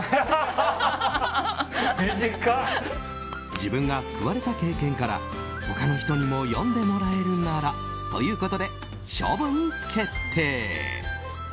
自分が救われた経験から他の人にも読んでもらえるならということで、処分決定。